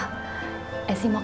pak mustaqim lagi di rumah